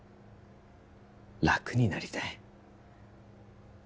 楽になりたい